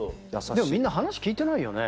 でもみんな話聞いてないよね。